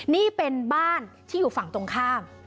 นี่เป็นบ้านที่อยู่ฝั่งตรงข้าม